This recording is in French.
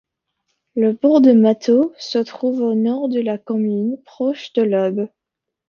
Le bourg de Mathaux se trouve au nord de la commune, proche de l'Aube.